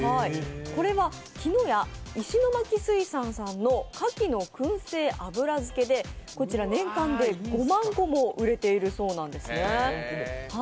これは木の屋石巻水産さんの牡蠣の燻製油漬けでこちら年間で５万個も売れているそうなんですね。